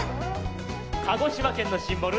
鹿児島県のシンボル